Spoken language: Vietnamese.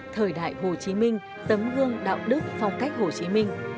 thời đại hồ chí minh tấm gương đạo đức phong cách hồ chí minh